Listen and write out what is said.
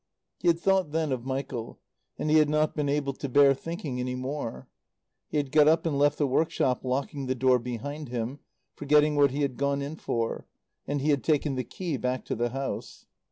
He had thought then of Michael. And he had not been able to bear thinking any more. He had got up and left the workshop, locking the door behind him, forgetting what he had gone in for; and he had taken the key back to the house.